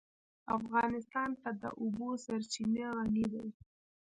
افغانستان په د اوبو سرچینې غني دی.